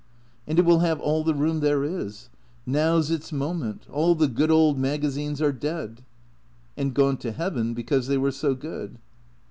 " And it will have all the room there is. Now 's its moment. All the good old magazines are dead." " And gone to heaven because they were so good."